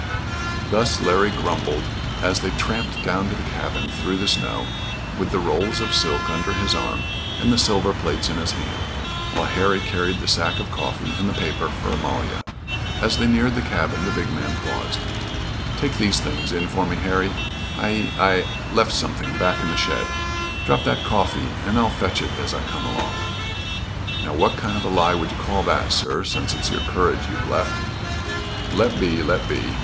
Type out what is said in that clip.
Thus Larry grumbled as they tramped down to the cabin through the snow, with the rolls of silk under his arm, and the silver plates in his hand, while Harry carried the sack of coffee and the paper for Amalia. As they neared the cabin the big man paused. "Take these things in for me, Harry. I I left something back in the shed. Drop that coffee and I'll fetch it as I come along." "Now, what kind of a lie would you call that, sir, since it's your courage you've left?" "Let be, let be.